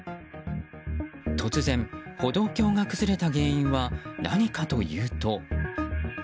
突然、歩道橋が崩れた原因は何かというと。